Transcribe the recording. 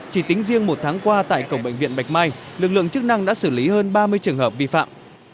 chỉ tính riêng một tháng qua tại cổng bệnh viện bạch mai lực lượng chức năng đã xử lý hơn ba mươi trường hợp vi phạm